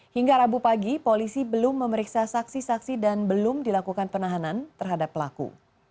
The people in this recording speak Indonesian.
hingga rabu pagi polisi belum memeriksa saksi saksi dan belum dilakukan penahanan terhadap pelaku